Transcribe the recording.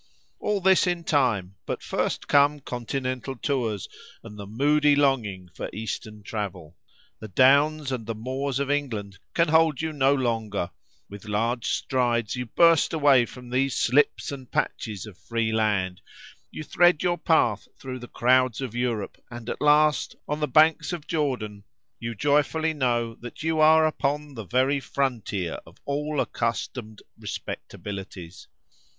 All this in time, but first came Continental tours and the moody longing for Eastern travel. The downs and the moors of England can hold you no longer; with large strides you burst away from these slips and patches of free land; you thread your path through the crowds of Europe, and at last, on the banks of Jordan, you joyfully know that you are upon the very frontier of all accustomed respectabilities.